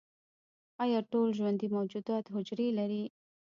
ایا ټول ژوندي موجودات حجرې لري؟